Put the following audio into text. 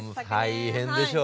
大変でしょう。